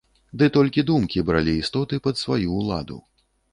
Ды толькі думкі бралі істоты пад сваю ўладу.